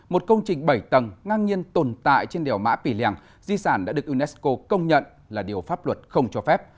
một công trình bảy tầng ngang nhiên tồn tại trên đèo mã pì lèng di sản đã được unesco công nhận là điều pháp luật không cho phép